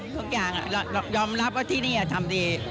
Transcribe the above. ทุกอย่างยอมรับว่าที่นี่ทำดี